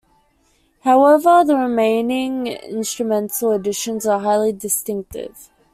However the remaining instrumental additions are highly distinctive.